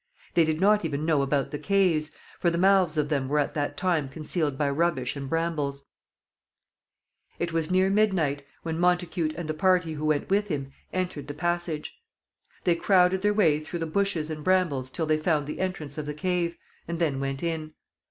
They did not even know about the caves, for the mouths of them were at that time concealed by rubbish and brambles. [Illustration: CAVES IN THE HILL SIDE AT NOTTINGHAM CASTLE.] It was near midnight when Montacute and the party who went with him entered the passage. They crowded their way through the bushes and brambles till they found the entrance of the cave, and then went in.